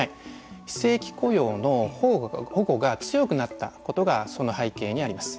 非正規雇用の保護が強くなったことがその背景にあります。